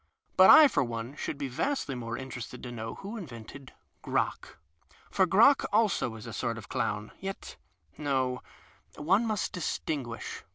IJut I for one should be vastly more interested to know wlio invented Crock. For Crock also is a sort of clown. Yet no ; one nuist distinguish.